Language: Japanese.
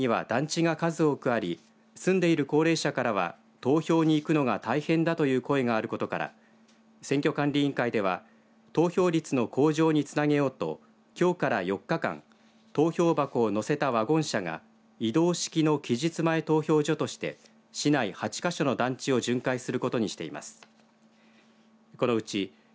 日立市の山あいには団地が数多くあり住んでいる高齢者からは投票に行くのが大変だという声があることから選挙管理委員会では投票率の向上につなげようときょうから４日間投票箱を乗せたワゴン車が移動式の期日前投票所として市内８か所の団地を巡回することにしています。